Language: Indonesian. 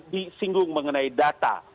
disinggung mengenai data